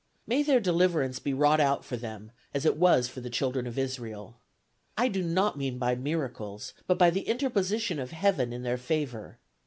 May their deliverance be wrought out for them, as it was for the children of Israel. I do not mean by miracles, but by the interposition of Heaven in their favor.